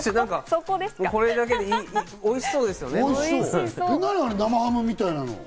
これだけで、おいしそうですよね。